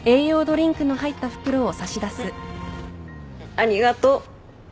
ありがとう。